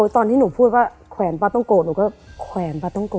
ตอนที่หนูพูดว่าแขวนป๊าต้องโกรธหนูก็แขวนป๊าต้องโกร